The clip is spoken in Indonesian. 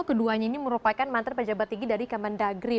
keduanya ini merupakan mantan pejabat tinggi dari kemendagri